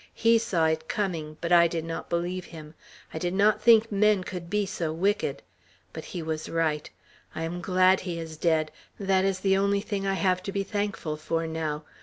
He saw it coming; but I did not believe him. I did not think men could be so wicked; but he was right. I am glad he is dead. That is the only thing I have to be thankful for now.